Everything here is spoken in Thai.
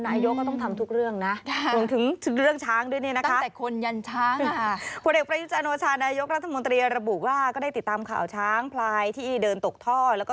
นายกบ้าต้องทำทุกเรื่องถึงเรื่องช้างด้วย